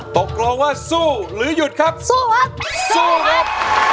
ตกลงว่าสู้หรือหยุดครับสู้ครับ